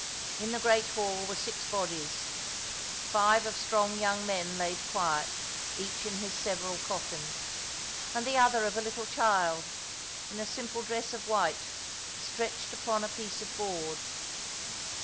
In the great hall were six bodies, five of strong young men laid quiet, each in his several coffin; and the other of a little child in a simple dress of white, stretched upon a piece of board.